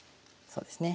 そうですね。